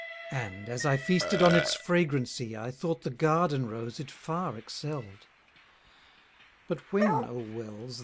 And, as I feasted on its fragrancy, I thought the garden rose it far excell'd: But when, O Wells!